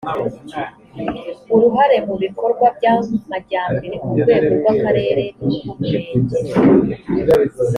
uruhare mu bikorwa by amajyambere ku rwego rw akarere n urw umurenge